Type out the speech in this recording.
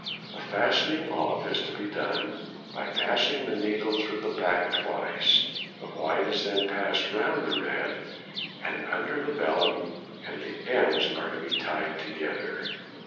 The fastening off is to be done by passing the needle through the back twice, the white is then passed round the red and under the vellum, and the ends are to be tied together.